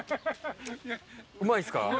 うまいっすか。